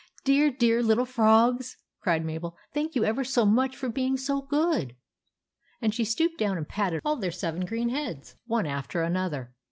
" Dear, dear little frogs !" cried Mabel. "Thank you ever so much for being so good !" And she stooped down and patted all their seven green heads one after another.